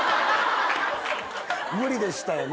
無理でしたよね。